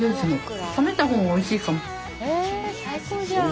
え最高じゃん。